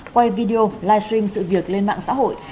quay video live stream sự việc lên mạng xã hội